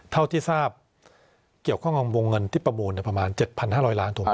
เท่าที่ทราบเกี่ยวข้องกับวงเงินที่ประมูลประมาณ๗๕๐๐ล้านถูกไหม